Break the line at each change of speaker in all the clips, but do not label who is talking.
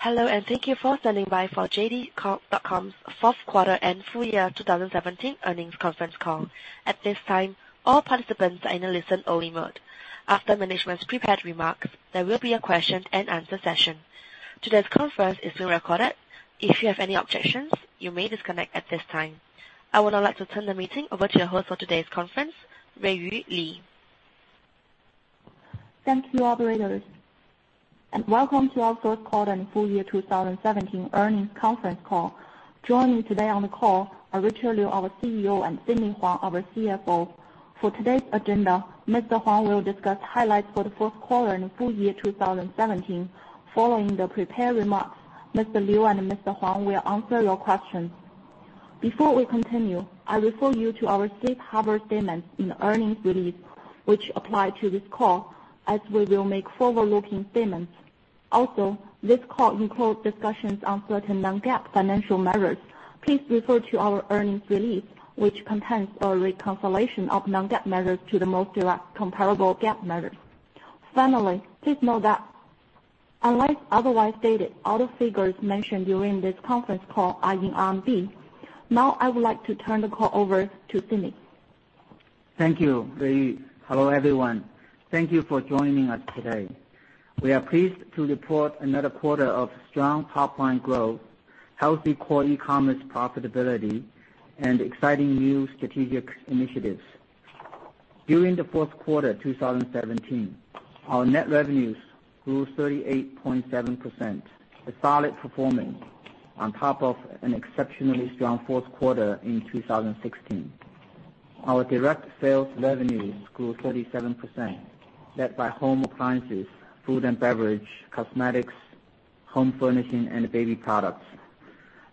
Hello, thank you for standing by for JD.com's fourth quarter and full year 2017 earnings conference call. At this time, all participants are in a listen-only mode. After management's prepared remarks, there will be a question and answer session. Today's conference is being recorded. If you have any objections, you may disconnect at this time. I would now like to turn the meeting over to your host for today's conference, Ruiyu Li.
Thank you, operator. Welcome to our fourth quarter and full year 2017 earnings conference call. Joining today on the call are Richard Liu, our CEO, and Sidney Huang, our CFO. For today's agenda, Mr. Huang will discuss highlights for the fourth quarter and full year 2017. Following the prepared remarks, Mr. Liu and Mr. Huang will answer your questions. Before we continue, I refer you to our safe harbor statement in the earnings release, which apply to this call, as we will make forward-looking statements. Also, this call includes discussions on certain non-GAAP financial measures. Please refer to our earnings release, which contains a reconciliation of non-GAAP measures to the most direct comparable GAAP measures. Finally, please note that, unlike otherwise stated, all the figures mentioned during this conference call are in RMB. I would like to turn the call over to Sidney.
Thank you, Ruiyu. Hello, everyone. Thank you for joining us today. We are pleased to report another quarter of strong top-line growth, healthy core e-commerce profitability, and exciting new strategic initiatives. During the fourth quarter 2017, our net revenues grew 38.7%, a solid performance on top of an exceptionally strong fourth quarter in 2016. Our direct sales revenues grew 37%, led by home appliances, food and beverage, cosmetics, home furnishing, and baby products.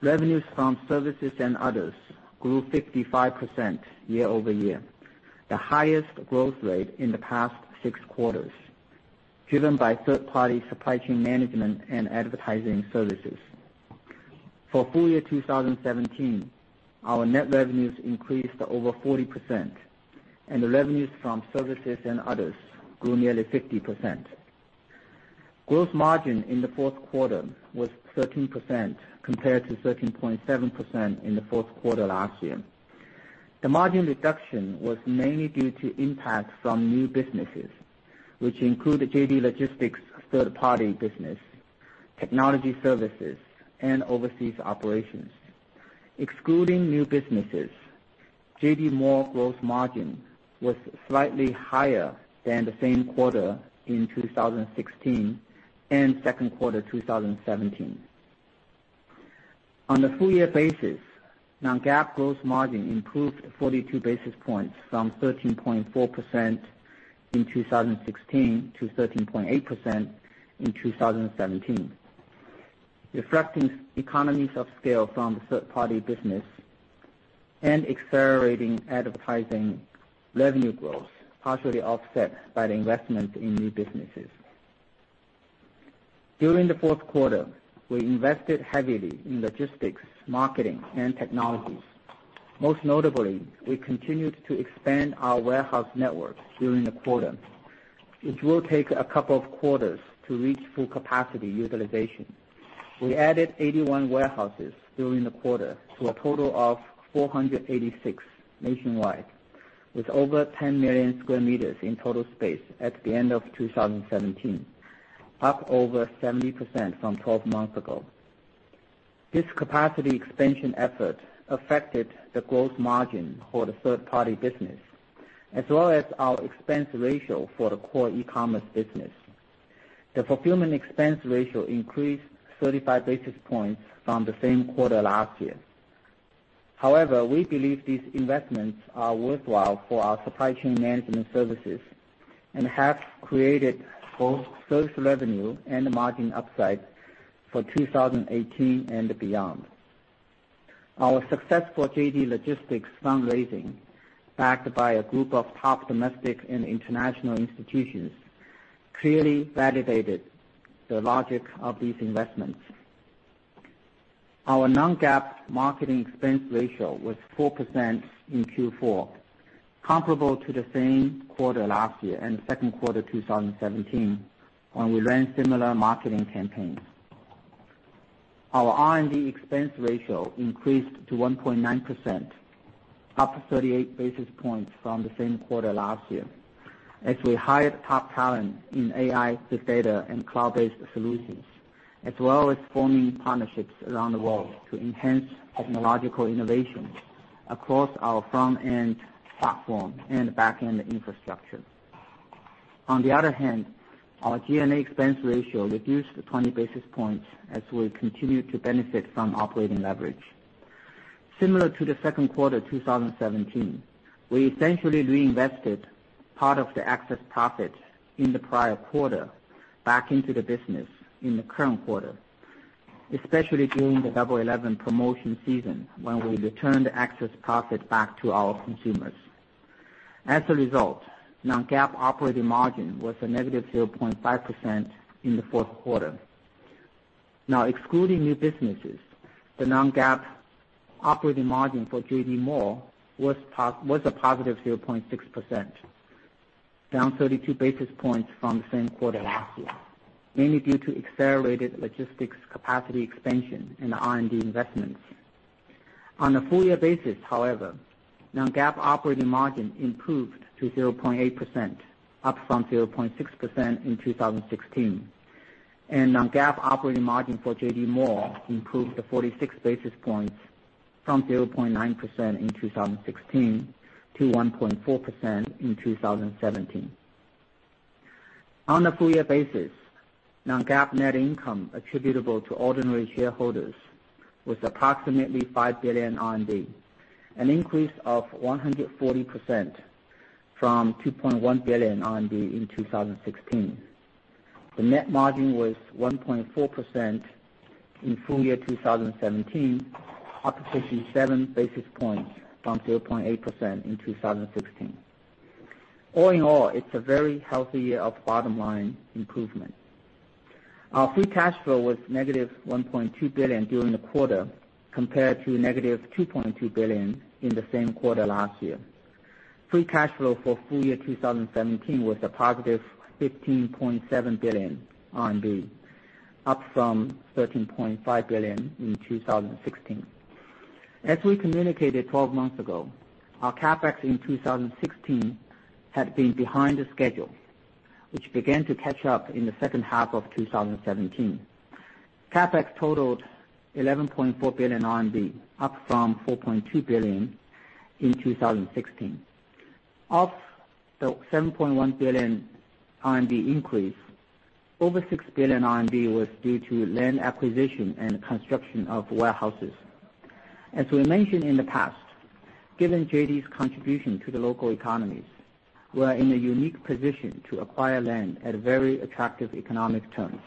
Revenues from services and others grew 55% year-over-year, the highest growth rate in the past six quarters, driven by third-party supply chain management and advertising services. For full year 2017, our net revenues increased over 40%, and the revenues from services and others grew nearly 50%. Gross margin in the fourth quarter was 13% compared to 13.7% in the fourth quarter last year. The margin reduction was mainly due to impact from new businesses, which include the JD Logistics third-party business, technology services, and overseas operations. Excluding new businesses, JD Mall gross margin was slightly higher than the same quarter in 2016 and second quarter 2017. On a full-year basis, non-GAAP gross margin improved 42 basis points from 13.4% in 2016 to 13.8% in 2017, reflecting economies of scale from the third-party business and accelerating advertising revenue growth partially offset by the investment in new businesses. During the fourth quarter, we invested heavily in logistics, marketing, and technologies. Most notably, we continued to expand our warehouse network during the quarter. It will take a couple of quarters to reach full capacity utilization. We added 81 warehouses during the quarter to a total of 486 nationwide, with over 10 million square meters in total space at the end of 2017, up over 70% from 12 months ago. This capacity expansion effort affected the growth margin for the third-party business, as well as our expense ratio for the core e-commerce business. The fulfillment expense ratio increased 35 basis points from the same quarter last year. However, we believe these investments are worthwhile for our supply chain management services and have created both service revenue and margin upside for 2018 and beyond. Our successful JD Logistics fundraising, backed by a group of top domestic and international institutions, clearly validated the logic of these investments. Our non-GAAP marketing expense ratio was 4% in Q4, comparable to the same quarter last year and second quarter 2017, when we ran similar marketing campaigns. Our R&D expense ratio increased to 1.9%, up 38 basis points from the same quarter last year, as we hired top talent in AI, big data, and cloud-based solutions, as well as forming partnerships around the world to enhance technological innovation across our front-end platform and back-end infrastructure. On the other hand, our G&A expense ratio reduced 20 basis points as we continue to benefit from operating leverage. Similar to the second quarter 2017, we essentially reinvested part of the excess profit in the prior quarter back into the business in the current quarter, especially during the Double 11 promotion season, when we returned excess profit back to our consumers. As a result, non-GAAP operating margin was a negative 0.5% in the fourth quarter. Excluding new businesses, the non-GAAP operating margin for JD Mall was a positive 0.6%. Down 32 basis points from the same quarter last year, mainly due to accelerated logistics capacity expansion and the R&D investments. On a full-year basis, however, non-GAAP operating margin improved to 0.8%, up from 0.6% in 2016. Non-GAAP operating margin for JD Mall improved to 46 basis points from 0.9% in 2016 to 1.4% in 2017. On a full-year basis, non-GAAP net income attributable to ordinary shareholders was approximately 5 billion RMB, an increase of 140% from 2.1 billion RMB in 2016. The net margin was 1.4% in full year 2017, up 57 basis points from 0.8% in 2016. All in all, it's a very healthy year of bottom-line improvement. Our free cash flow was negative 1.2 billion during the quarter, compared to negative 2.2 billion in the same quarter last year. Free cash flow for full year 2017 was a positive 15.7 billion RMB, up from 13.5 billion in 2016. As we communicated 12 months ago, our CapEx in 2016 had been behind the schedule, which began to catch up in the second half of 2017. CapEx totaled 11.4 billion RMB, up from 4.2 billion in 2016. Of the 7.1 billion RMB increase, over 6 billion RMB was due to land acquisition and construction of warehouses. As we mentioned in the past, given JD's contribution to the local economies, we are in a unique position to acquire land at very attractive economic terms.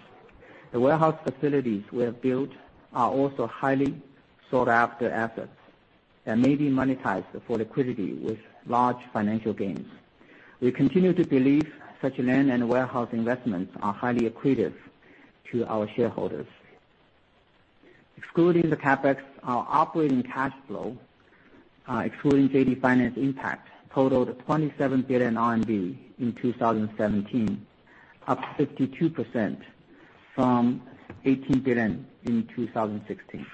The warehouse facilities we have built are also highly sought-after assets that may be monetized for liquidity with large financial gains. We continue to believe such land and warehouse investments are highly accretive to our shareholders. Excluding the CapEx, our operating cash flow, excluding JD Finance impact, totaled 27 billion RMB in 2017, up 52% from 18 billion in 2016.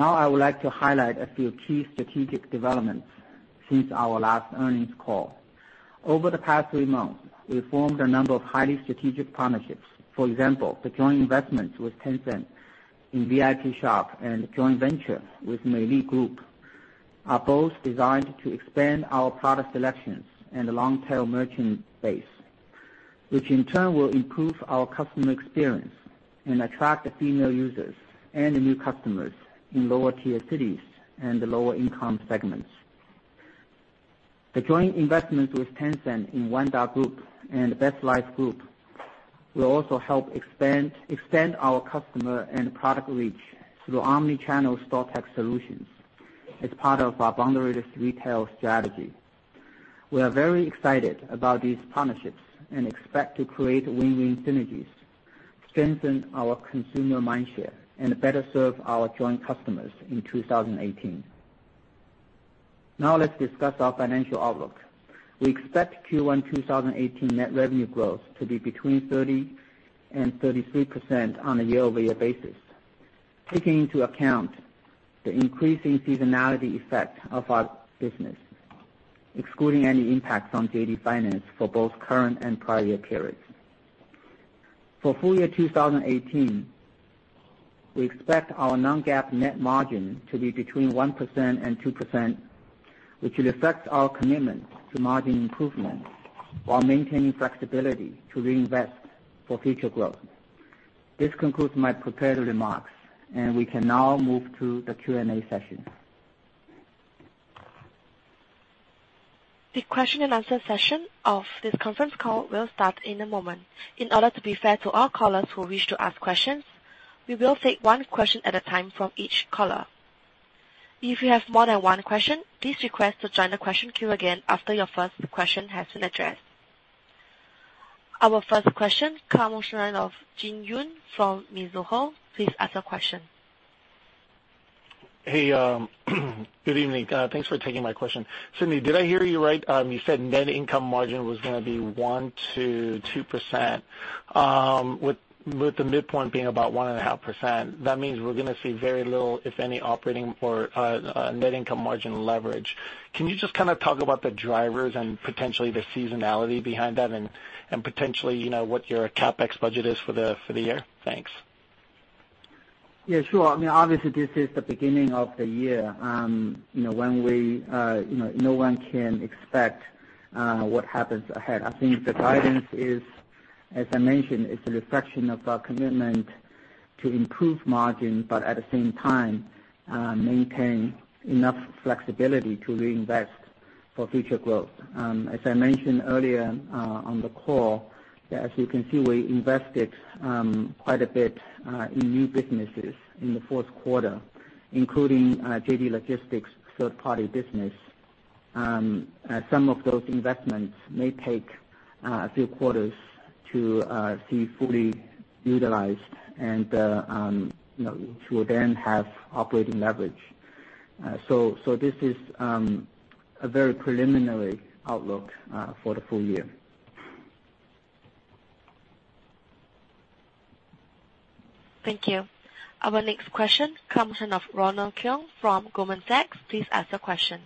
I would like to highlight a few key strategic developments since our last earnings call. Over the past three months, we formed a number of highly strategic partnerships. For example, the joint investments with Tencent in Vipshop and joint venture with Meili Group are both designed to expand our product selections and the long-tail merchant base, which in turn will improve our customer experience and attract the female users and the new customers in lower-tier cities and the lower-income segments. The joint investments with Tencent in Wanda Group and Better Life Group will also help expand our customer and product reach through omni-channel stock tech solutions as part of our boundary-less retail strategy. We are very excited about these partnerships and expect to create win-win synergies, strengthen our consumer mind share, and better serve our joint customers in 2018. Let's discuss our financial outlook. We expect Q1 2018 net revenue growth to be between 30% and 33% on a year-over-year basis, taking into account the increasing seasonality effect of our business, excluding any impacts on JD Finance for both current and prior year periods. For full year 2018, we expect our non-GAAP net margin to be between 1% and 2%, which will affect our commitment to margin improvement while maintaining flexibility to reinvest for future growth. This concludes my prepared remarks, and we can now move to the Q&A session.
The question and answer session of this conference call will start in a moment. In order to be fair to all callers who wish to ask questions, we will take one question at a time from each caller. If you have more than one question, please request to join the question queue again after your first question has been addressed. Our first question, Jin Yoon from Mizuho. Please ask your question.
Hey, good evening. Thanks for taking my question. Sidney, did I hear you right? You said net income margin was going to be 1% to 2%, with the midpoint being about 1.5%. That means we're going to see very little, if any, operating or net income margin leverage. Can you just kind of talk about the drivers and potentially the seasonality behind that and potentially what your CapEx budget is for the year? Thanks.
Yeah, sure. I mean, obviously, this is the beginning of the year. No one can expect what happens ahead. I think the guidance is, as I mentioned, it's a reflection of our commitment to improve margin, but at the same time, maintain enough flexibility to reinvest for future growth. As I mentioned earlier on the call, as you can see, we invested quite a bit in new businesses in the fourth quarter, including JD Logistics' third-party business. Some of those investments may take a few quarters to see fully utilized, and which will then have operating leverage. This is a very preliminary outlook for the full year.
Thank you. Our next question comes in of Ronald Keung from Goldman Sachs. Please ask your question.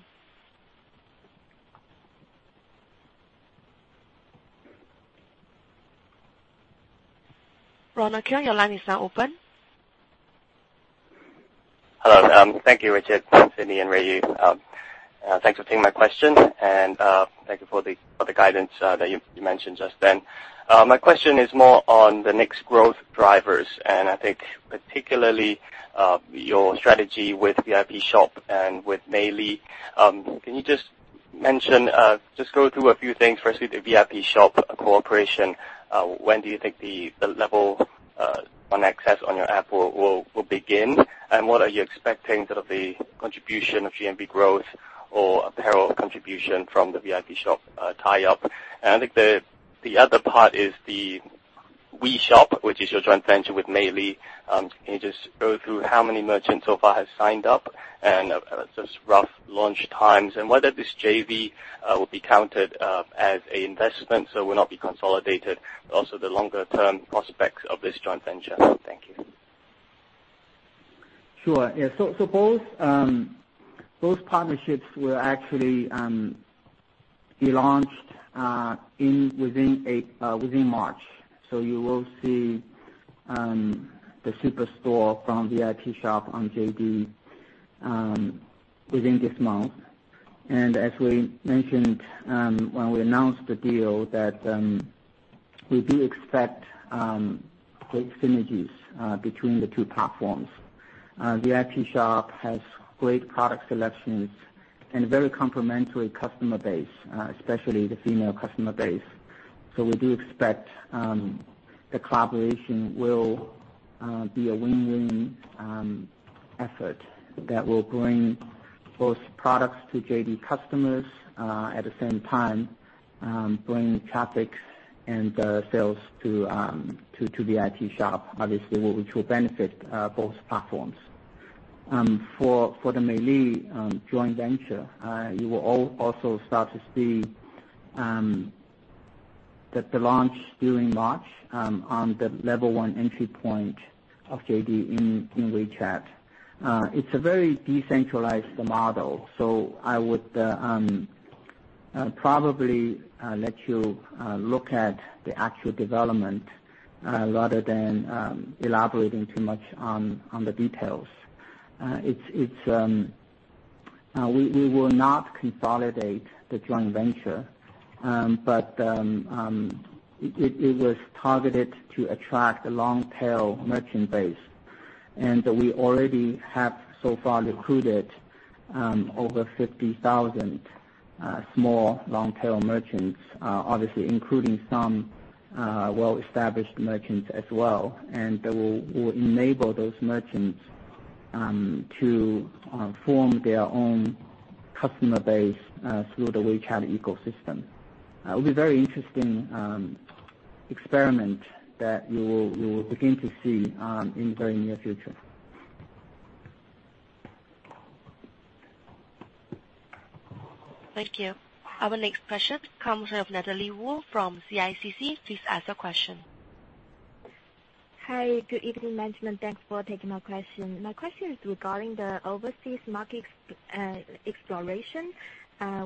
Ronald Keung, your line is now open.
Hello. Thank you, Richard, Sidney, and Ruiyu. Thanks for taking my question, and thank you for the guidance that you mentioned just then. My question is more on the next growth drivers. I think particularly, your strategy with Vipshop and with Meili. Can you just go through a few things, firstly, the Vipshop cooperation, when do you think the level, on access on your app will begin? What are you expecting sort of the contribution of GMV growth or apparel contribution from the Vipshop tie-up? I think the other part is the WeShop, which is your joint venture with Meili. Can you just go through how many merchants so far have signed up, and just rough launch times, and whether this JV will be counted as an investment, so will not be consolidated, but also the longer-term prospects of this joint venture. Thank you.
Sure. Yeah. Both partnerships will actually be launched within March. You will see the super store from Vipshop on JD within this month. As we mentioned, when we announced the deal, that we do expect great synergies between the two platforms. Vipshop has great product selections and a very complementary customer base, especially the female customer base. We do expect the collaboration will be a win-win effort that will bring both products to JD customers, at the same time, bring traffic and sales to Vipshop, obviously, which will benefit both platforms. For the Meili joint venture, you will also start to see that the launch during March on the level-1 entry point of JD in WeChat. It's a very decentralized model, so I would probably let you look at the actual development, rather than elaborating too much on the details. We will not consolidate the joint venture. It was targeted to attract a long-tail merchant base. We already have so far recruited over 50,000 small long-tail merchants, obviously including some well-established merchants as well, and we'll enable those merchants to form their own customer base through the WeChat ecosystem. It will be a very interesting experiment that you will begin to see in the very near future.
Thank you. Our next question comes from Natalie Wu from CICC. Please ask your question.
Hi. Good evening, management. Thanks for taking my question. My question is regarding the overseas market exploration.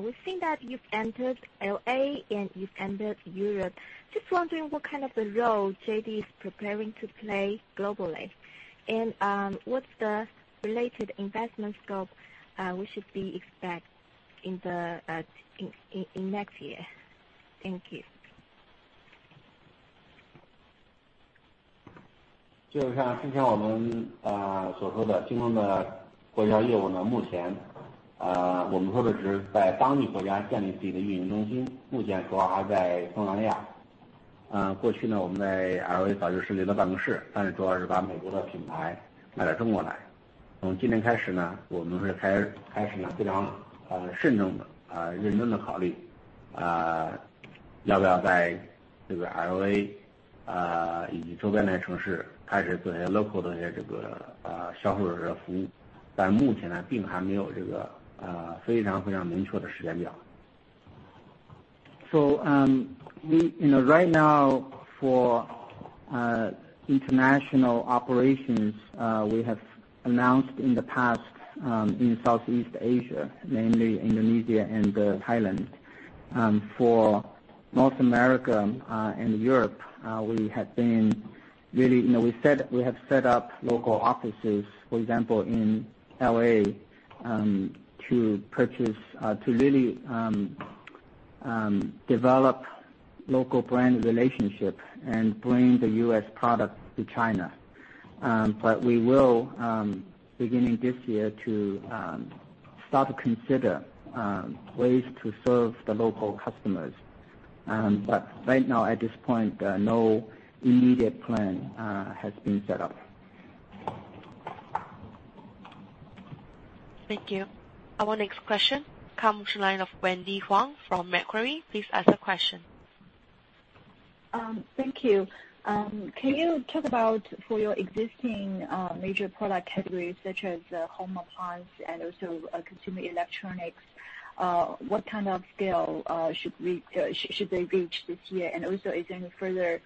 We've seen that you've entered L.A. and you've entered Europe. Just wondering what kind of a role JD is preparing to play globally. What's the related investment scope we should be expect in next year? Thank you.
Right now for international operations, we have announced in the past, in Southeast Asia, mainly Indonesia and Thailand. For North America and Europe, we have set up local offices, for example, in L.A., to really develop local brand relationships and bring the U.S. products to China. We will, beginning this year, to start to consider ways to serve the local customers. Right now, at this point, no immediate plan has been set up.
Thank you. Our next question comes from the line of Wendy Huang from Macquarie. Please ask a question.
Thank you. Can you talk about for your existing major product categories, such as home appliance and also consumer electronics, what kind of scale should they reach this year? Also, is there any further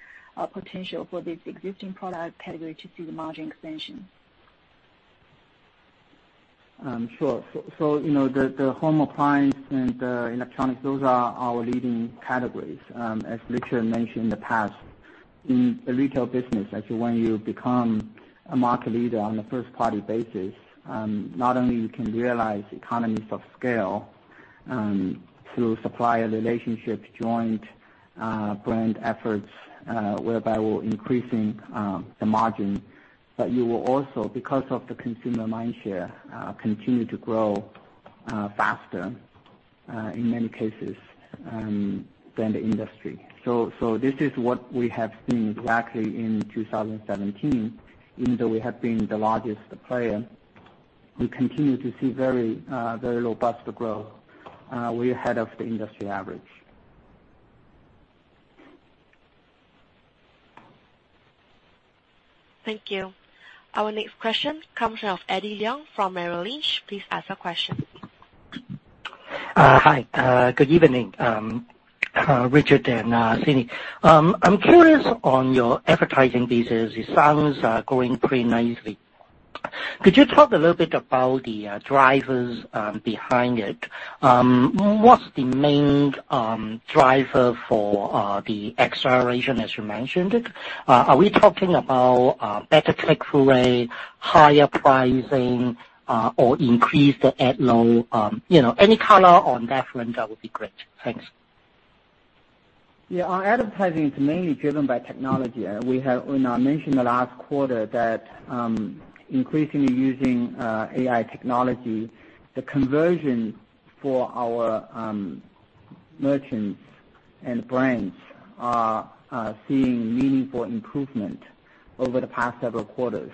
potential for this existing product category to see the margin expansion?
Sure. The home appliance and electronics, those are our leading categories. As Richard mentioned in the past, in the retail business, actually, when you become a market leader on a first-party basis, not only you can realize economies of scale through supplier relationships, joint brand efforts, whereby we're increasing the margin. You will also, because of the consumer mind share, continue to grow faster, in many cases, than the industry. This is what we have seen exactly in 2017. Even though we have been the largest player, we continue to see very robust growth. We're ahead of the industry average.
Thank you. Our next question comes from Eddie Leung from Merrill Lynch. Please ask your question.
Hi. Good evening, Richard and Sidney. I'm curious on your advertising business. It sounds growing pretty nicely. Could you talk a little bit about the drivers behind it? What's the main driver for the acceleration as you mentioned it? Are we talking about better click-through rate, higher pricing, or increased ad load? Any color on that front, that would be great. Thanks.
Our advertising is mainly driven by technology. We mentioned the last quarter that increasingly using AI technology, the conversion for our merchants and brands are seeing meaningful improvement over the past several quarters.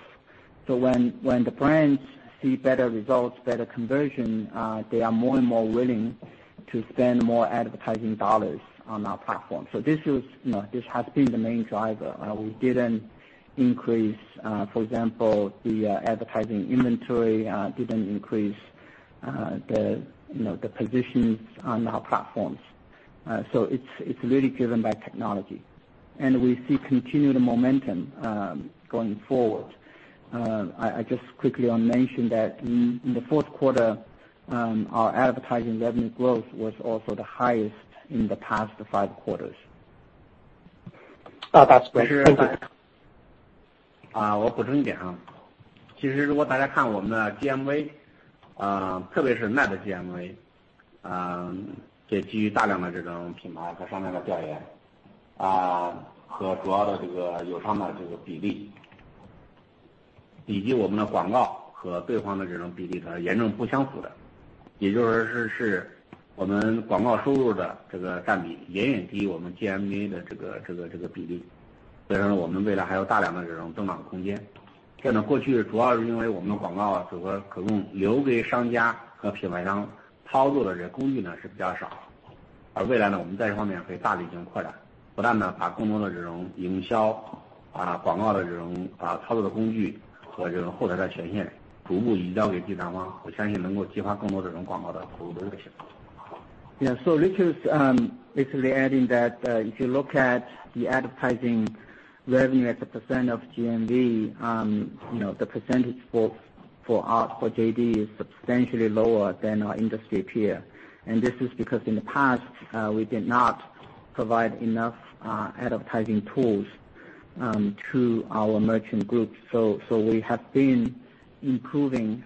When the brands see better results, better conversion, they are more and more willing to spend more advertising dollars on our platform. This has been the main driver. We didn't increase, for example, the advertising inventory, didn't increase the positions on our platforms. It's really driven by technology. We see continued momentum going forward. I just quickly mention that in the fourth quarter, our advertising revenue growth was also the highest in the past five quarters.
That's great. Thank you.
Yeah. Richard's basically adding that if you look at the advertising revenue as a percent of GMV, the percentage for JD is substantially lower than our industry peer. This is because in the past, we did not provide enough advertising tools to our merchant groups. We have been improving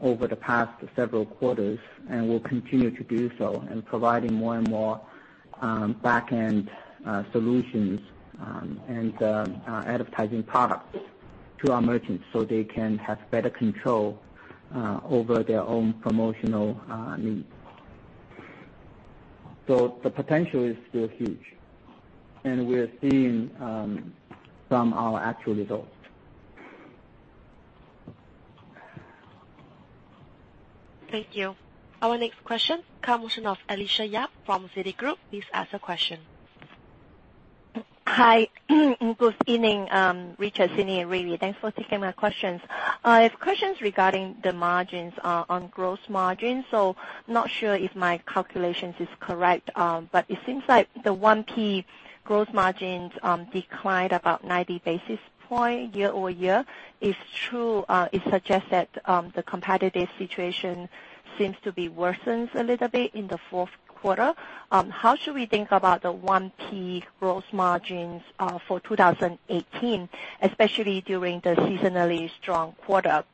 over the past several quarters, and we'll continue to do so in providing more and more back-end solutions and advertising products to our merchants so they can have better control over their own promotional needs. The potential is still huge, and we're seeing some our actual results.
Thank you. Our next question comes from Alicia Yap from Citigroup. Please ask a question.
Hi. Good evening, Richard, Sidney, and Ruiyu. Thanks for taking my questions. I have questions regarding the margins on gross margins. Not sure if my calculations is correct, but it seems like the 1P gross margins declined about 90 basis points year-over-year. It suggests that the competitive situation seems to be worsened a little bit in the fourth quarter. How should we think about the 1P gross margins for 2018, especially during the seasonally strong quarter?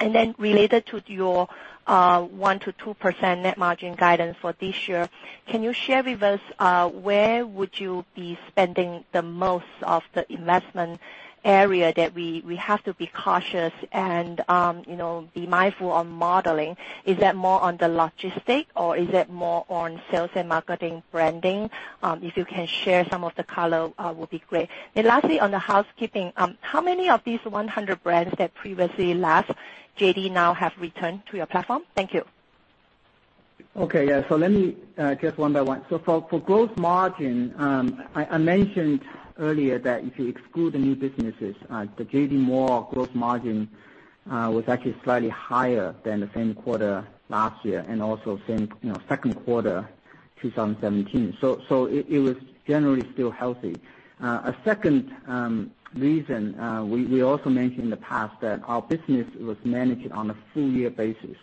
Then related to your 1%-2% net margin guidance for this year, can you share with us where would you be spending the most of the investment area that we have to be cautious and be mindful on modeling? Is that more on the logistics or is it more on sales and marketing branding? If you can share some of the color, would be great. Lastly, on the housekeeping, how many of these 100 brands that previously left JD now have returned to your platform? Thank you.
Let me just one by one. For gross margin, I mentioned earlier that if you exclude the new businesses, the JD Mall gross margin was actually slightly higher than the same quarter last year and also same second quarter 2017. It was generally still healthy. A second reason, we also mentioned in the past that our business was managed on a full year basis.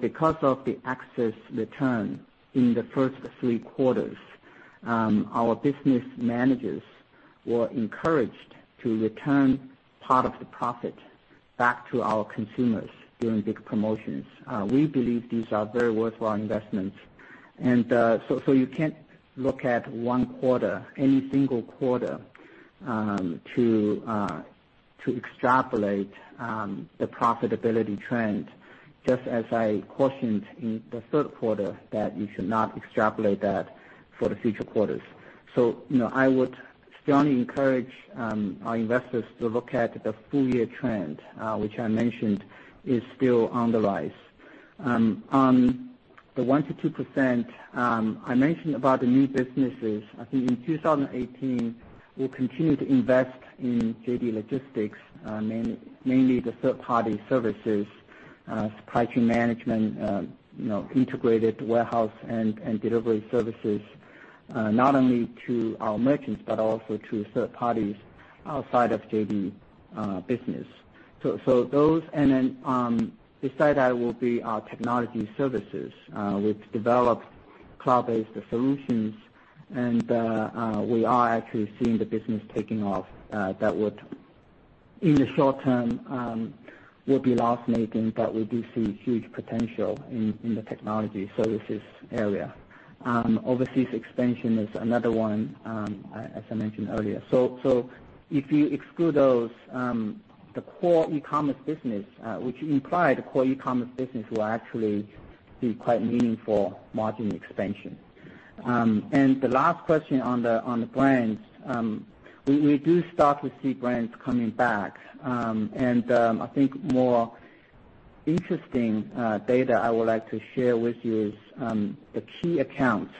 Because of the excess return in the first three quarters, our business managers were encouraged to return part of the profit back to our consumers during big promotions. We believe these are very worthwhile investments. You can't look at one quarter, any single quarter, to extrapolate the profitability trend, just as I cautioned in the third quarter that you should not extrapolate that for the future quarters. I would strongly encourage our investors to look at the full year trend, which I mentioned is still on the rise. On the 1%-2%, I mentioned about the new businesses. I think in 2018, we'll continue to invest in JD Logistics, mainly the third-party services, supply chain management, integrated warehouse and delivery services, not only to our merchants but also to third parties outside of JD business. Those and then beside that will be our technology services. We've developed cloud-based solutions and we are actually seeing the business taking off that would, in the short term, will be loss-making, but we do see huge potential in the technology services area. Overseas expansion is another one, as I mentioned earlier. If you exclude those, the core e-commerce business, which implied the core e-commerce business will actually see quite meaningful margin expansion. The last question on the brands, we do start to see brands coming back. I think more interesting data I would like to share with you is the key accounts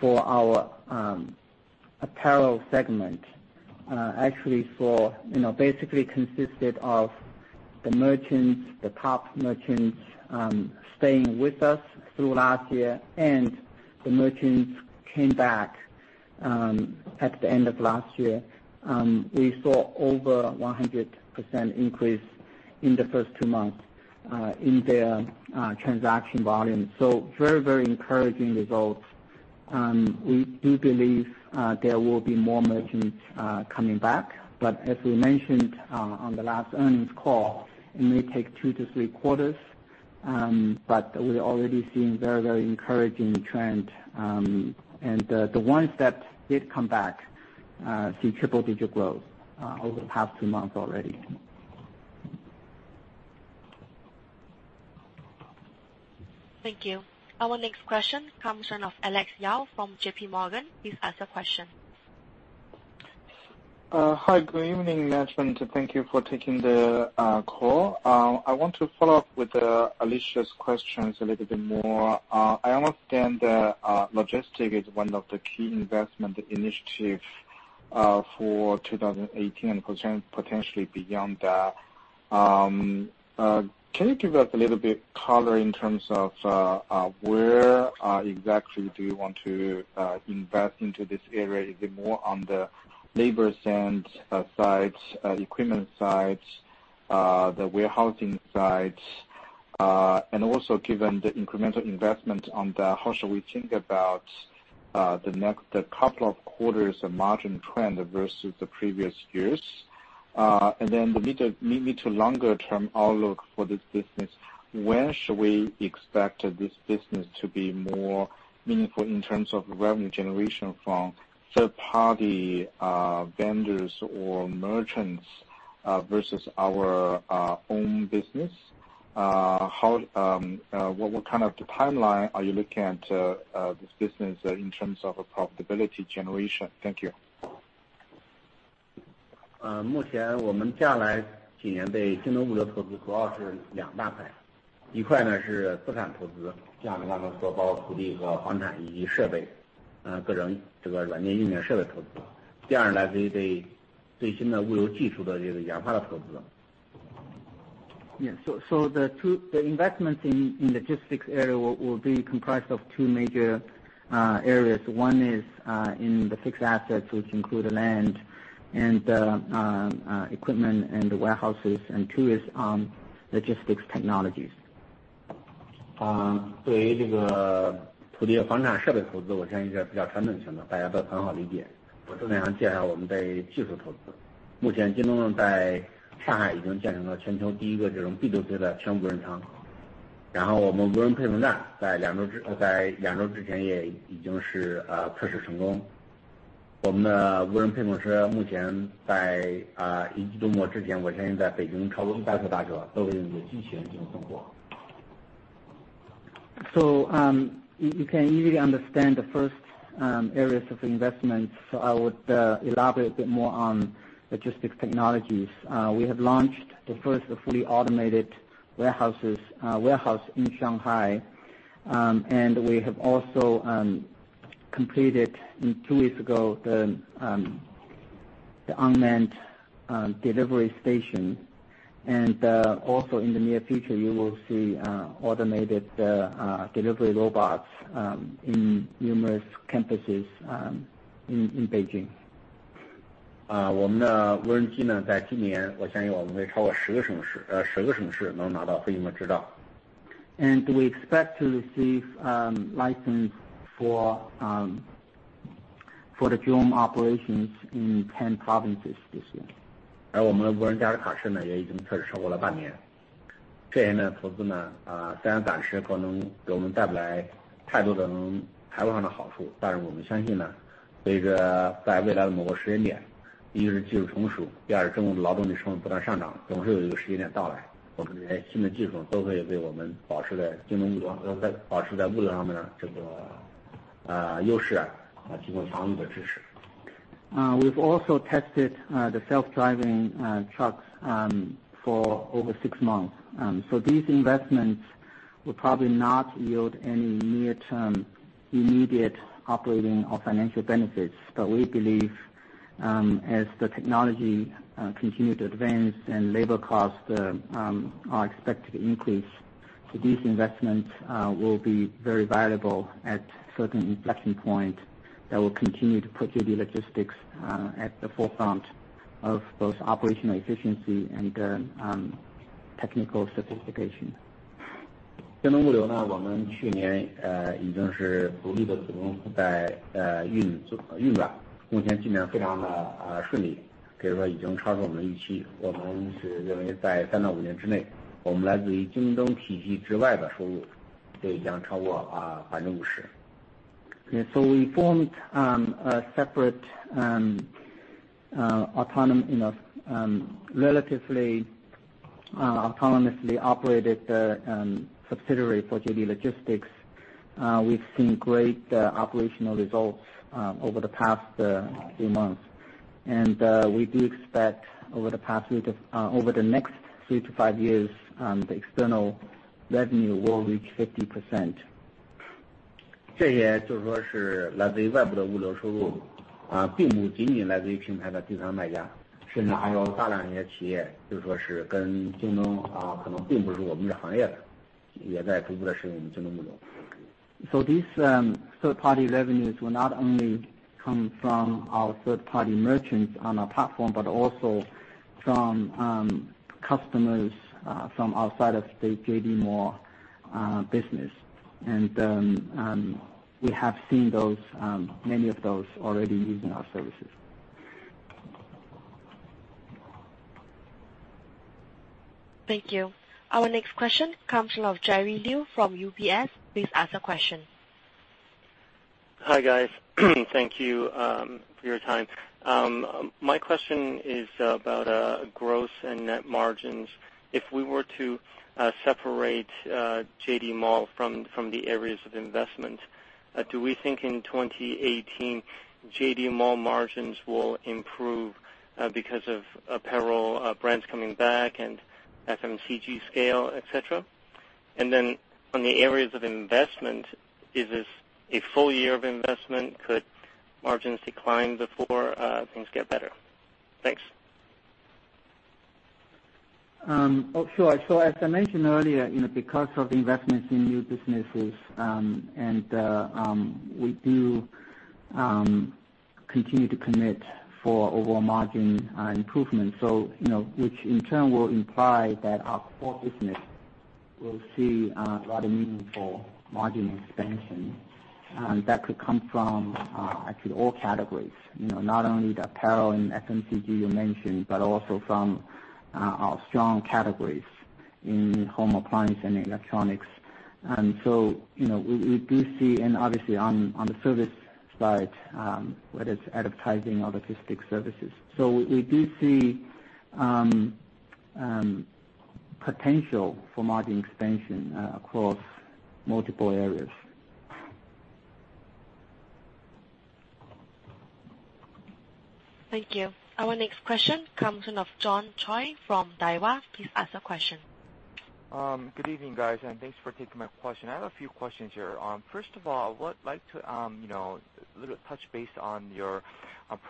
for our apparel segment. Actually, basically consisted of the merchants, the top merchants staying with us through last year and the merchants came back at the end of last year. We saw over 100% increase in the first two months in their transaction volume. Very encouraging results. We do believe there will be more merchants coming back. As we mentioned on the last earnings call, it may take two to three quarters. We're already seeing very encouraging trend. The ones that did come back see triple digit growth over the past two months already.
Thank you. Our next question comes in of Alex Yao from JP Morgan. Please ask the question.
Hi, good evening, management. Thank you for taking the call. I want to follow up with Alicia's questions a little bit more. I understand that logistics is one of the key investment initiatives for 2018 and potentially beyond that. Can you give us a little bit color in terms of where exactly do you want to invest into this area? Is it more on the labor side, equipment side, the warehousing side? Given the incremental investment on that, how should we think about the next couple of quarters of margin trend versus the previous years? The mid to longer term outlook for this business, when should we expect this business to be more meaningful in terms of revenue generation from third-party vendors or merchants versus our own business? What kind of timeline are you looking at this business in terms of profitability generation? Thank you.
Yes. The investments in logistics area will be comprised of two major areas. One is in the fixed assets, which include the land and equipment and warehouses, and two is logistics technologies. You can easily understand the first areas of investment. I would elaborate a bit more on logistics technologies. We have launched the first fully automated warehouse in Shanghai, we have also completed two weeks ago, the unmanned delivery station. In the near future, you will see automated delivery robots in numerous campuses in Beijing. We expect to receive license for the drone operations in 10 provinces this year. We've also tested the self-driving trucks for over six months. These investments will probably not yield any near-term, immediate operating or financial benefits. We believe, as the technology continues to advance and labor costs are expected to increase, these investments will be very valuable at certain inflection points that will continue to put JD Logistics at the forefront of both operational efficiency and technical sophistication. We formed a separate, relatively autonomously operated subsidiary for JD Logistics. We've seen great operational results over the past few months. We do expect over the next three to five years, the external revenue will reach 50%. These third-party revenues will not only come from our third-party merchants on our platform, but also from customers from outside of, say, JD Mall business. We have seen many of those already using our services.
Thank you. Our next question comes from Jerry Liu from UBS. Please ask a question.
Hi, guys. Thank you for your time. My question is about gross and net margins. If we were to separate JD Mall from the areas of investment, do we think in 2018, JD Mall margins will improve because of apparel brands coming back and FMCG scale, et cetera? Then on the areas of investment, is this a full year of investment? Could margins decline before things get better? Thanks.
Oh, sure. As I mentioned earlier, because of the investments in new businesses, and we do continue to commit for overall margin improvement. Which in turn will imply that our core business will see a lot of meaningful margin expansion that could come from actually all categories. Not only the apparel and FMCG you mentioned, but also from our strong categories in home appliance and electronics. Obviously on the service side, whether it's advertising or logistics services. We do see potential for margin expansion across multiple areas.
Thank you. Our next question comes from John Choi from Daiwa. Please ask a question.
Good evening, guys, and thanks for taking my question. I have a few questions here. First of all, I would like to touch base on your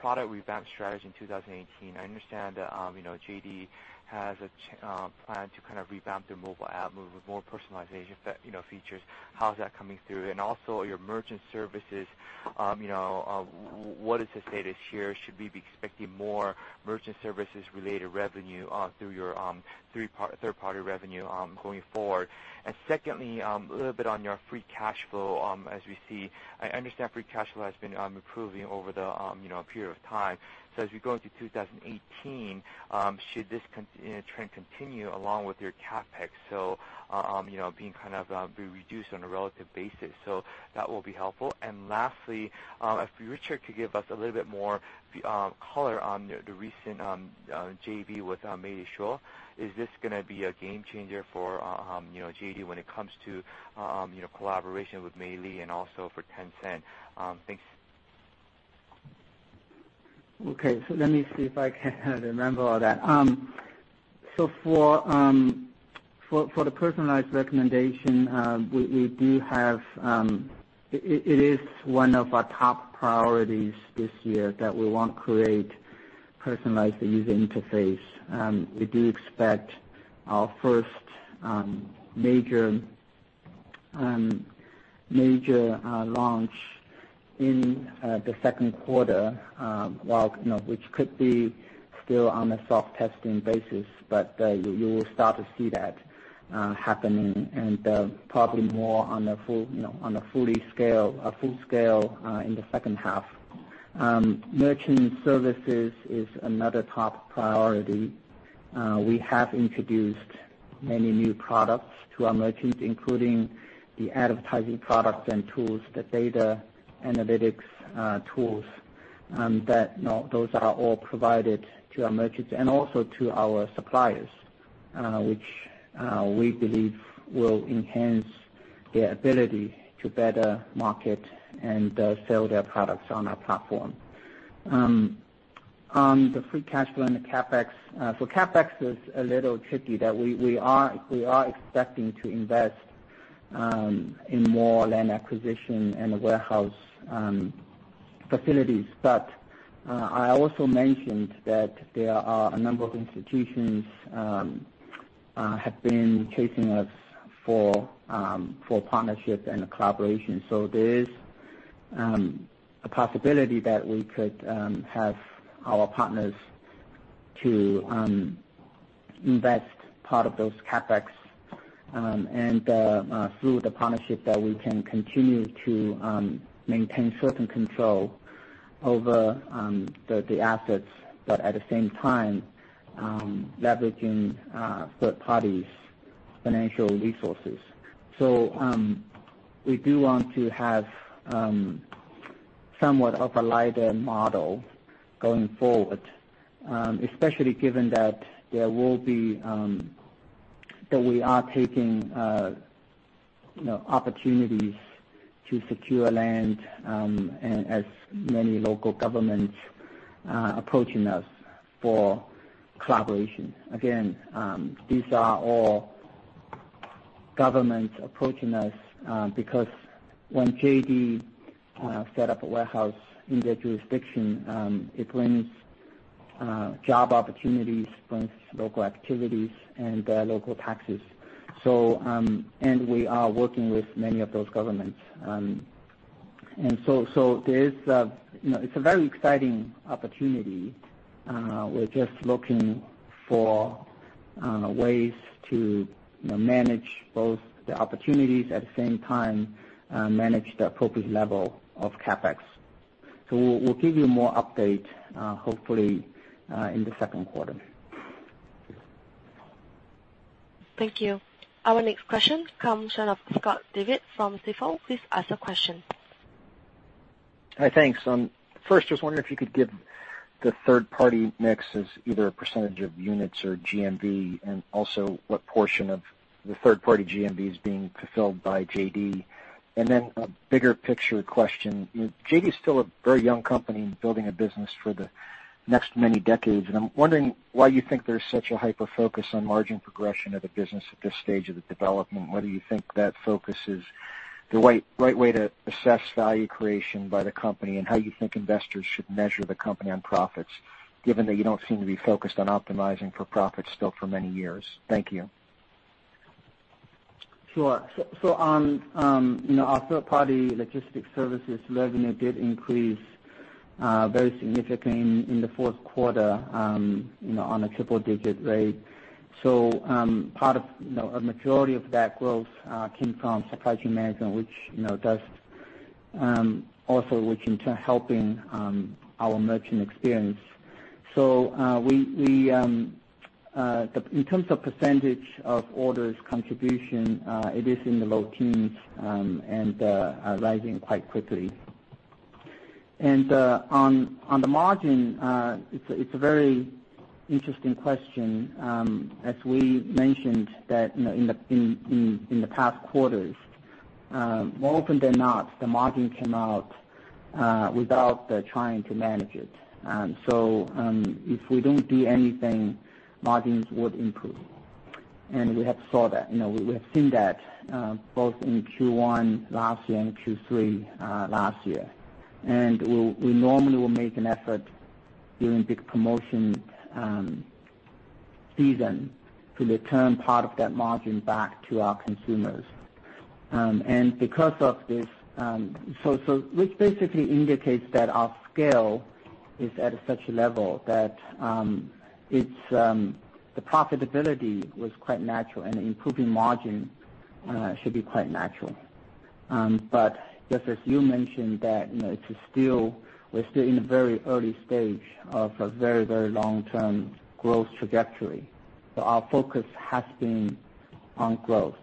product revamp strategy in 2018. I understand that JD has a plan to revamp their mobile app with more personalization features. How's that coming through? Also your merchant services, what is the status here? Should we be expecting more merchant services-related revenue through your third-party revenue going forward? Secondly, a little bit on your free cash flow, as we see. I understand free cash flow has been improving over a period of time. As we go into 2018, should this trend continue along with your CapEx? Being kind of reduced on a relative basis. That will be helpful. Lastly, if Richard could give us a little bit more color on the recent JV with Meili. Is this going to be a game changer for JD when it comes to collaboration with Meili and also for Tencent? Thanks
Okay. Let me see if I can remember all that. For the personalized recommendation, it is one of our top priorities this year that we want to create personalized user interface. We do expect our first major launch in the second quarter, which could be still on a soft testing basis. You will start to see that happening and probably more on a full scale in the second half. Merchant services is another top priority. We have introduced many new products to our merchants, including the advertising products and tools, the data analytics tools. Those are all provided to our merchants and also to our suppliers, which we believe will enhance their ability to better market and sell their products on our platform. On the free cash flow and the CapEx. CapEx is a little tricky that we are expecting to invest in more land acquisition and warehouse facilities. I also mentioned that there are a number of institutions have been chasing us for partnership and collaboration. There is a possibility that we could have our partners to invest part of those CapEx and through the partnership that we can continue to maintain certain control over the assets. At the same time, leveraging third parties' financial resources. We do want to have somewhat of a lighter model going forward, especially given that we are taking opportunities to secure land, as many local governments approaching us for collaboration. Again, these are all governments approaching us, because when JD set up a warehouse in their jurisdiction, it brings job opportunities, brings local activities, and local taxes. We are working with many of those governments. It's a very exciting opportunity. We're just looking for ways to manage both the opportunities at the same time, manage the appropriate level of CapEx. We'll give you more update, hopefully, in the second quarter.
Thank you. Our next question comes off of Scott David from Stifel. Please ask your question.
Hi. Thanks. First, just wondering if you could give the third-party mix as either a percentage of units or GMV, and also what portion of the third-party GMV is being fulfilled by JD. Then a bigger picture question, JD is still a very young company and building a business for the next many decades, and I'm wondering why you think there's such a hyper-focus on margin progression of the business at this stage of the development. Whether you think that focus is the right way to assess value creation by the company, and how you think investors should measure the company on profits, given that you don't seem to be focused on optimizing for profits still for many years. Thank you.
Sure. Our third-party logistics services revenue did increase very significantly in the fourth quarter on a triple-digit rate. A majority of that growth came from supply chain management, also which in turn helping our merchant experience. In terms of percentage of orders contribution, it is in the low teens and rising quite quickly. On the margin, it's a very interesting question. As we mentioned that in the past quarters, more often than not, the margin came out without trying to manage it. If we don't do anything, margins would improve. We have seen that both in Q1 last year and Q3 last year. We normally will make an effort during big promotion season to return part of that margin back to our consumers. Which basically indicates that our scale is at such a level that the profitability was quite natural, and improving margin should be quite natural. Just as you mentioned that we're still in the very early stage of a very, very long-term growth trajectory. Our focus has been on growth.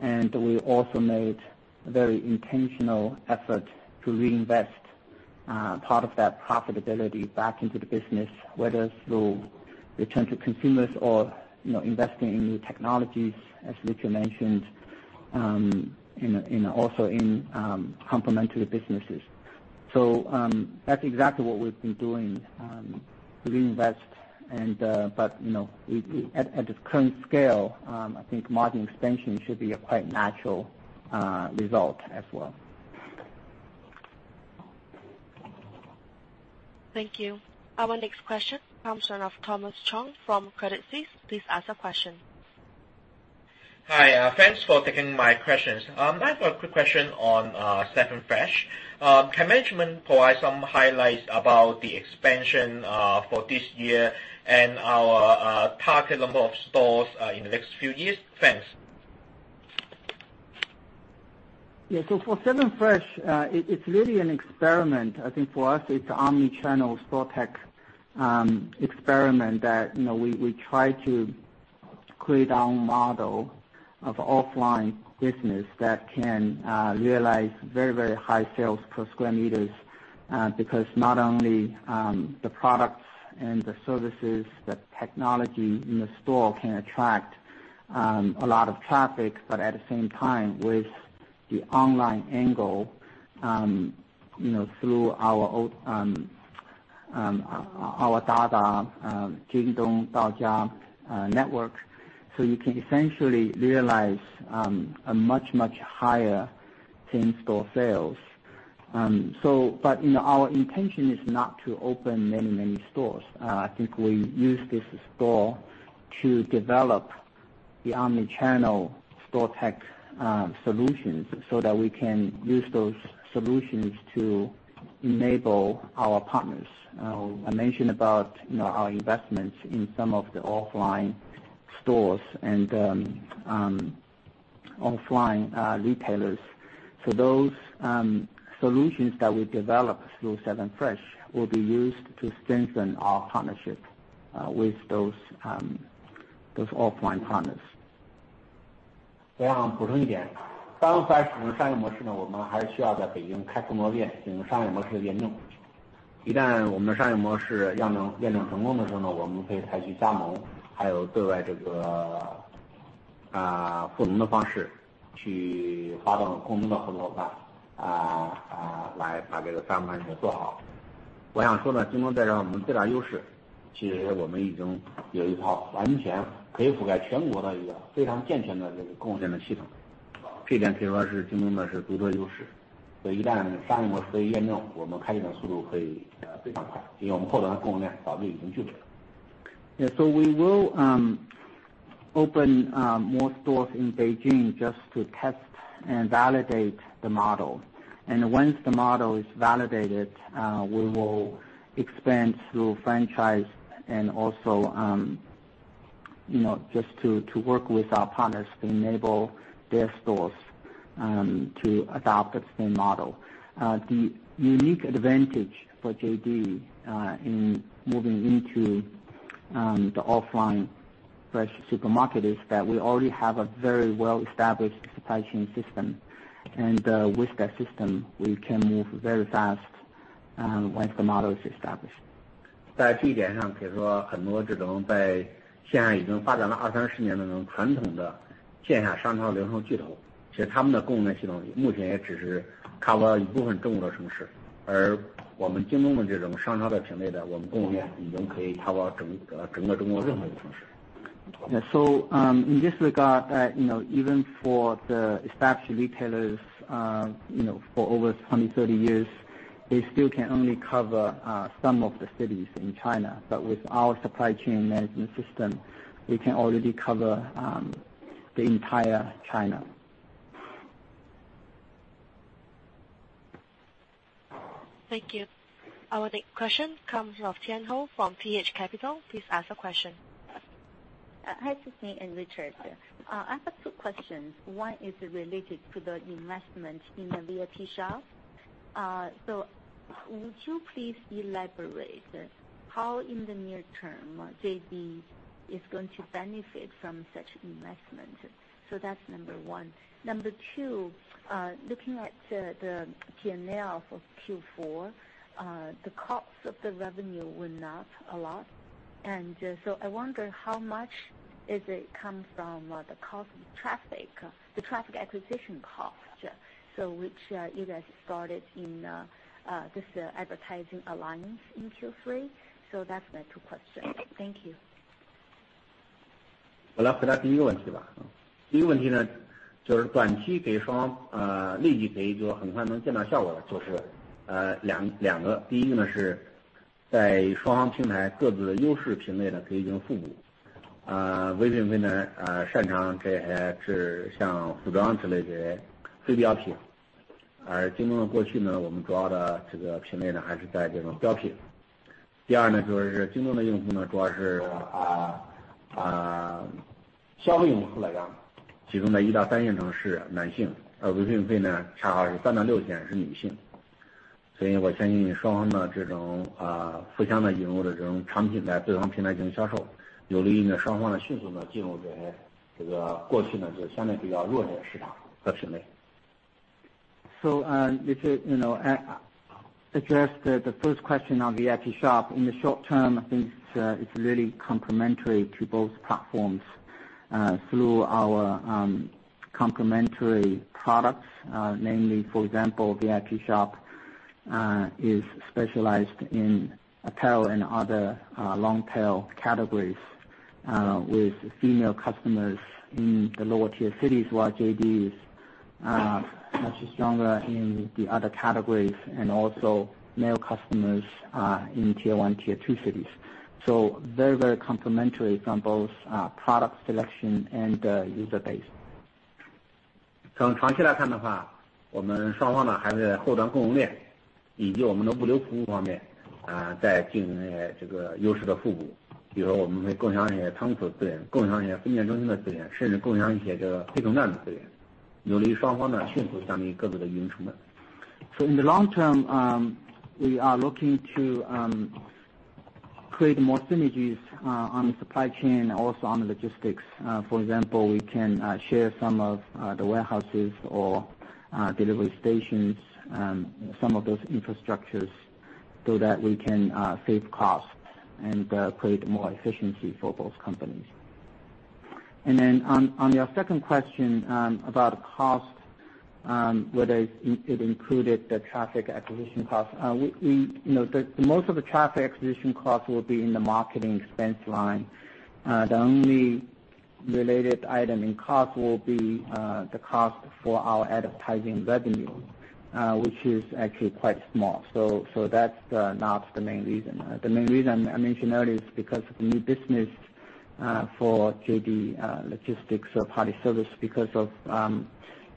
We also made a very intentional effort to reinvest part of that profitability back into the business, whether through return to consumers or investing in new technologies, as Richard mentioned, also in complementary businesses. That's exactly what we've been doing to reinvest. At the current scale, I think margin expansion should be a quite natural result as well.
Thank you. Our next question comes from Thomas Chong from Credit Suisse. Please ask a question.
Hi. Thanks for taking my questions. I have a quick question on 7FRESH. Can management provide some highlights about the expansion for this year and our target number of stores in the next few years? Thanks.
Yeah. For 7FRESH, it's really an experiment. I think for us it's omni-channel store tech experiment that we try to create our own model of offline business that can realize very high sales per square meters, because not only the products and the services, the technology in the store can attract a lot of traffic, but at the same time, with the online angle, through our Dada, JD Daojia network. You can essentially realize a much higher same-store sales. Our intention is not to open many stores. I think we use this store to develop the omni-channel store tech solutions that we can use those solutions to enable our partners. I mentioned about our investments in some of the offline stores and offline retailers. Those solutions that we develop through 7FRESH will be used to strengthen our partnership with those offline partners. We will open more stores in Beijing just to test and validate the model. Once the model is validated, we will expand through franchise and also just to work with our partners to enable their stores to adopt the same model. The unique advantage for JD in moving into the offline fresh supermarket is that we already have a very well-established supply chain system. With that system, we can move very fast once the model is established. Yeah. In this regard, even for the established retailers for over 20, 30 years, they still can only cover some of the cities in China. With our supply chain management system, we can already cover the entire China.
Thank you. Our next question comes from Tian Hou from T.H. Capital. Please ask a question.
Hi, Sidney and Richard. I have two questions. One is related to the investment in the Vipshop. Would you please elaborate how, in the near term, JD is going to benefit from such investment? That's number one. Number two, looking at the P&L for Q4, the cost of the revenue were not a lot. I wonder how much is it coming from the traffic acquisition cost? Which you guys started in this advertising alliance in Q3. That's my two questions. Thank you.
To address the first question on the Vipshop. In the short term, I think it's really complementary to both platforms through our complementary products. Namely, for example, Vipshop is specialized in apparel and other long-tail categories with female customers in the lower tier cities, while JD is much stronger in the other categories and also male customers are in tier 1, tier 2 cities. Very complementary from both product selection and user base. In the long term, we are looking to create more synergies on the supply chain, also on the logistics. For example, we can share some of the warehouses or delivery stations, some of those infrastructures so that we can save costs and create more efficiency for both companies. On your second question about cost, whether it included the traffic acquisition cost. Most of the traffic acquisition cost will be in the marketing expense line. The only related item in cost will be the cost for our advertising revenue, which is actually quite small. That's not the main reason. The main reason I mentioned earlier is because of the new business for JD Logistics or party service because of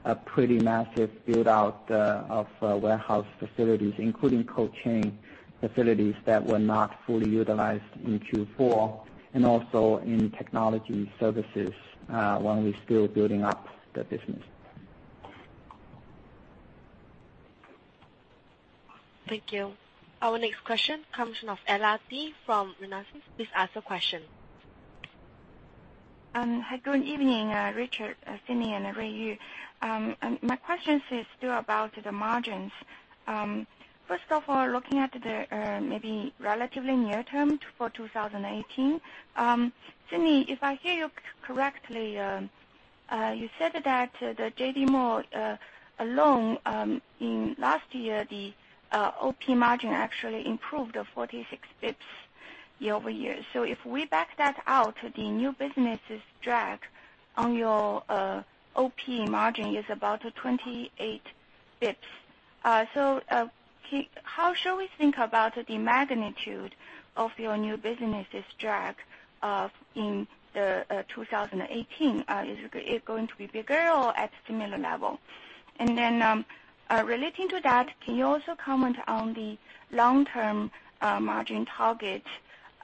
a pretty massive build-out of warehouse facilities, including cold chain facilities that were not fully utilized in Q4, and also in technology services, while we're still building up the business.
Thank you. Our next question comes from Ella Ji from China Renaissance. Please ask your question.
Hi, good evening, Richard, Sidney, and Ruiyu Li. My question is still about the margins. First of all, looking at the maybe relatively near term for 2018. Sidney, if I hear you correctly, you said that the JD Mall alone in last year, the OP margin actually improved 46 basis points year-over-year. If we back that out, the new business's drag on your OP margin is about 28 basis points. How should we think about the magnitude of your new business's drag in 2018? Is it going to be bigger or at similar level? Relating to that, can you also comment on the long-term margin target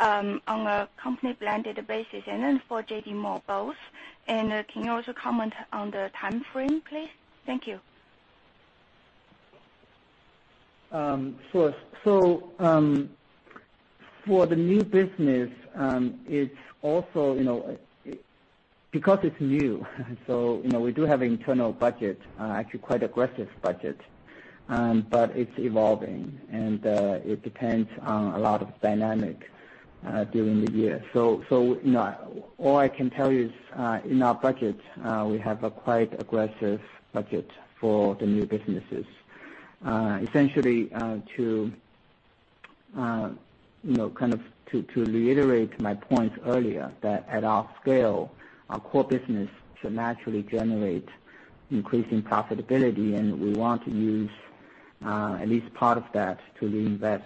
on a company blended basis and then for JD Mall both? Can you also comment on the timeframe, please? Thank you.
Sure. For the new business, because it's new we do have internal budget, actually quite aggressive budget. It's evolving, and it depends on a lot of dynamic during the year. All I can tell you is in our budget, we have a quite aggressive budget for the new businesses. Essentially to kind of reiterate my point earlier, that at our scale, our core business should naturally generate increasing profitability, and we want to use at least part of that to reinvest.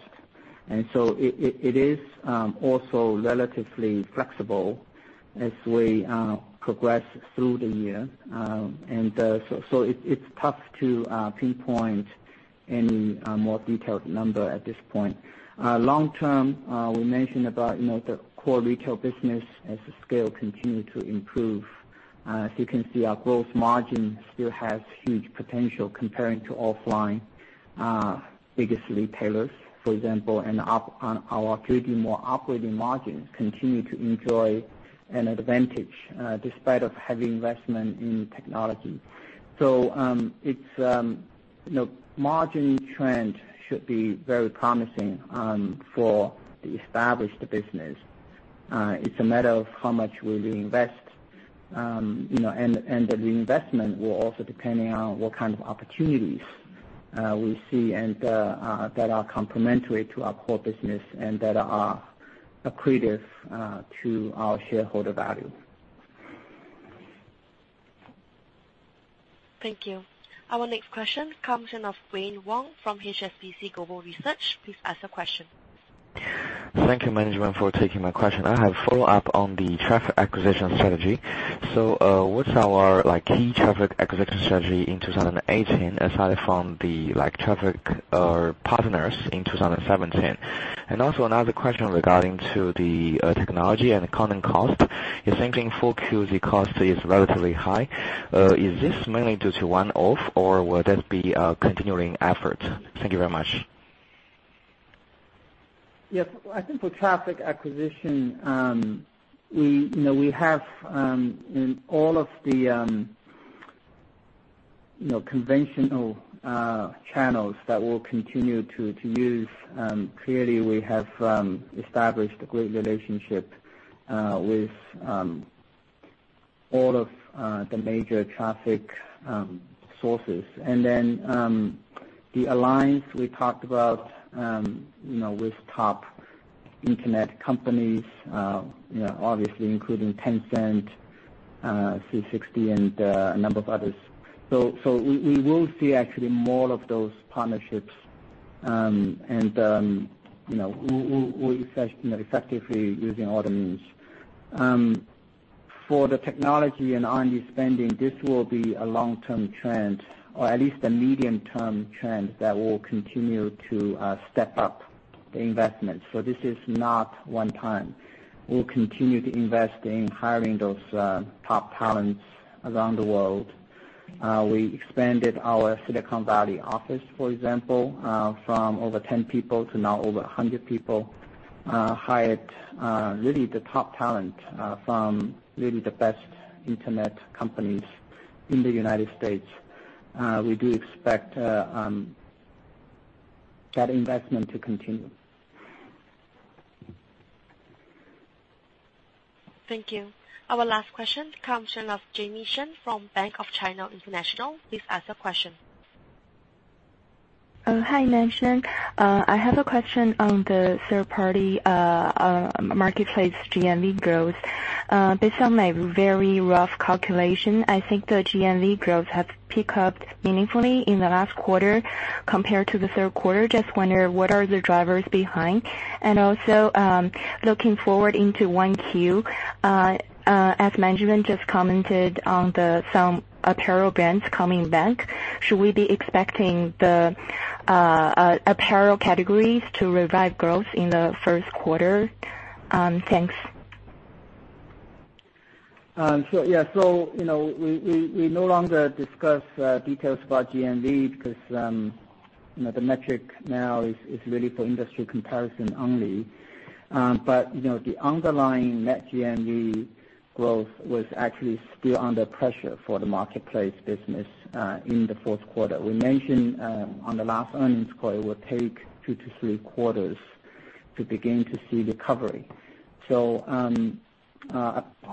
It is also relatively flexible as we progress through the year. It's tough to pinpoint any more detailed number at this point. Long term, we mentioned about the core retail business as the scale continue to improve. As you can see, our gross margin still has huge potential comparing to offline biggest retailers, for example. Our JD Mall operating margins continue to enjoy an advantage despite of heavy investment in technology. Margin trend should be very promising for the established business. It's a matter of how much we reinvest, and the reinvestment will also depending on what kind of opportunities we see and that are complementary to our core business and that are accretive to our shareholder value.
Thank you. Our next question comes in of Wayne Wong from HSBC Global Research. Please ask your question.
Thank you, management, for taking my question. I have follow-up on the traffic acquisition strategy. What's our key traffic acquisition strategy in 2018 aside from the traffic partners in 2017? Also another question regarding to the technology and content cost. You're saying in full Q the cost is relatively high. Is this mainly due to one-off, or will that be a continuing effort? Thank you very much.
Yes. I think for traffic acquisition, we have in all of the conventional channels that we'll continue to use. Clearly, we have established a great relationship with all of the major traffic sources. The alliance we talked about with top internet companies, obviously including Tencent, Sogou and a number of others. We will see actually more of those partnerships, and we're effectively using all the means. For the technology and R&D spending, this will be a long-term trend, or at least a medium-term trend that will continue to step up the investment. This is not one time. We'll continue to invest in hiring those top talents around the world. We expanded our Silicon Valley office, for example, from over 10 people to now over 100 people. Hired really the top talent from really the best internet companies in the United States. We do expect that investment to continue.
Thank you. Our last question comes from Jamie Shen from Bank of China International. Please ask your question.
Hi, Management. I have a question on the third party marketplace GMV growth. Based on my very rough calculation, I think the GMV growth have picked up meaningfully in the last quarter compared to the third quarter. Just wonder what are the drivers behind? Also, looking forward into one Q, as management just commented on some apparel brands coming back, should we be expecting the apparel categories to revive growth in the first quarter? Thanks.
We no longer discuss details about GMV because the metric now is really for industry comparison only. The underlying net GMV growth was actually still under pressure for the marketplace business in the fourth quarter. We mentioned on the last earnings call, it will take two to three quarters to begin to see recovery.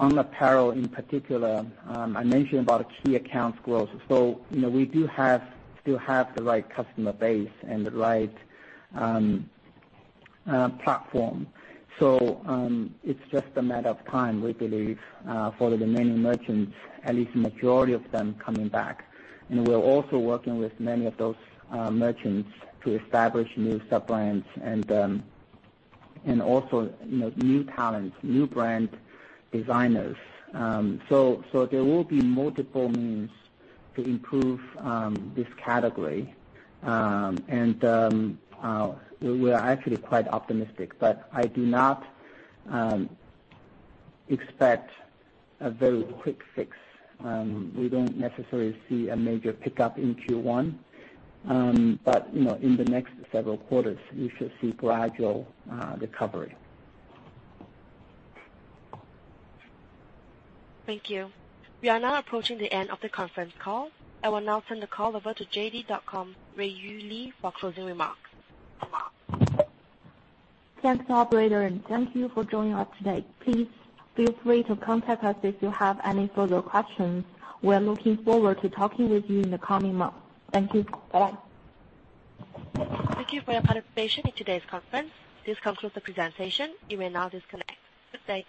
On apparel in particular, I mentioned about key accounts growth. We do have the right customer base and the right platform. It's just a matter of time, we believe, for the remaining merchants, at least majority of them, coming back. We're also working with many of those merchants to establish new sub-brands and also new talent, new brand designers. There will be multiple means to improve this category, and we are actually quite optimistic. I do not expect a very quick fix. We don't necessarily see a major pickup in Q1. In the next several quarters, we should see gradual recovery.
Thank you. We are now approaching the end of the conference call. I will now turn the call over to JD.com, Ruiyu Li, for closing remarks.
Thanks, operator. Thank you for joining us today. Please feel free to contact us if you have any further questions. We're looking forward to talking with you in the coming months. Thank you. Bye-bye.
Thank you for your participation in today's conference. This concludes the presentation. You may now disconnect. Good day.